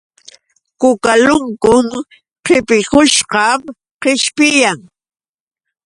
Kukalunkun qipikushqam qishpiyan.